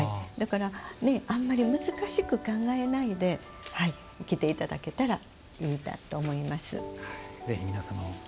あんまり難しく考えないで着ていただけたらいいと思います。